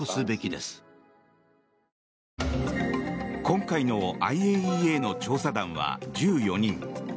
今回のＩＡＥＡの調査団は１４人。